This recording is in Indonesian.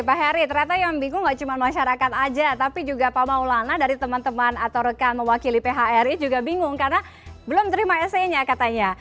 pak heri ternyata yang bingung gak cuma masyarakat aja tapi juga pak maulana dari teman teman atau rekan mewakili phri juga bingung karena belum terima se nya katanya